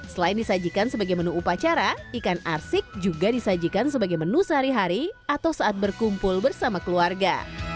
selain disajikan sebagai menu upacara ikan arsik juga disajikan sebagai menu sehari hari atau saat berkumpul bersama keluarga